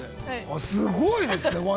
◆すごいですね。